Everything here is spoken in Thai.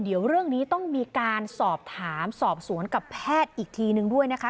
เดี๋ยวเรื่องนี้ต้องมีการสอบถามสอบสวนกับแพทย์อีกทีนึงด้วยนะคะ